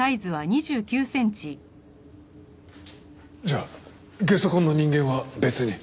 じゃあゲソ痕の人間は別に？